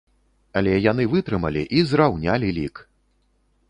Але яны вытрымалі і зраўнялі лік!